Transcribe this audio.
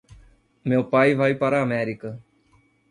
Meu pai vai para a América.